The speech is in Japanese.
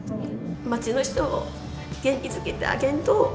街の人を元気づけてあげんと。